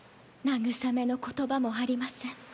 慰めの言葉もありません。